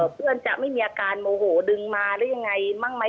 เพื่อนจะไม่มีอาการโมโหดึงมาหรือยังไงบ้างไหม